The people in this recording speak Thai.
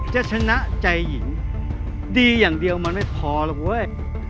จะชนะใจหญิงดีอย่างเดียวมันไม่พอหรอกเว้ย